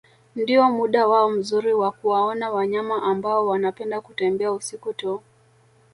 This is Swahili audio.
Ndio muda wao mzuri wa kuwaona wanyama ambao wanapenda kutembea usiku tu